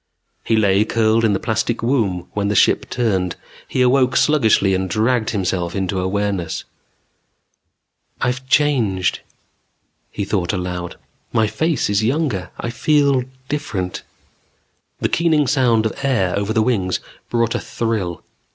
He lay curled in the plastic womb when the ship turned. He awoke sluggishly and dragged himself into awareness. "I've changed," he thought aloud. "My face is younger; I feel different." The keening sound of air over the wings brought a thrill.